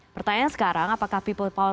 pertanyaan sekarang apakah people power